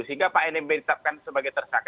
sehingga pak nmb ditetapkan sebagai tersangka